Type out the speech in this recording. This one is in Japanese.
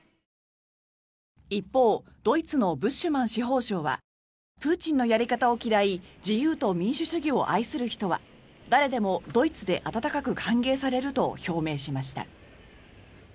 一方ドイツのブッシュマン司法相はプーチンのやり方を嫌い自由と民主主義を愛する人は誰でもドイツで温かく歓迎されると表明しました。